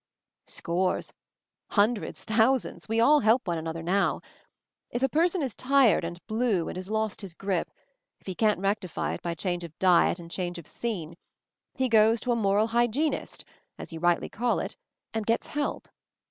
"Scores, hundreds, thousands — we all help one another now. If a person is tired and blue and has lost his grip, if he can't rectify it by change of diet and change of scene, he goes to a moral hygienist, as you rightly call it, and gets help.